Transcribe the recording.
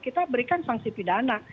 kita berikan sanksi pidana